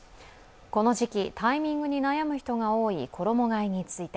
この時期、タイミングに悩む人が多い衣がえについて。